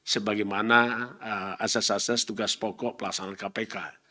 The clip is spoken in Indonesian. sebagaimana asas asas tugas pokok pelaksanaan kpk